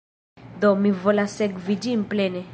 Do, mi volas sekvi ĝin plene